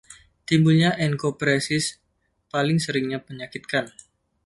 Timbulnya enkopresis paling seringnya menyakitkan.